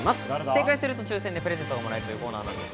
正解すると抽選でプレゼントがもらえるコーナーです。